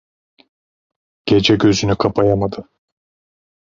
Gece gözünü kapayamadı.